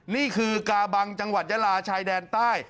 นี่คือกาบังจังหวัดยาลาชายแดนใต้